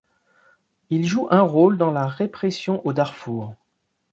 Il joue un rôle dans la répression au Darfour.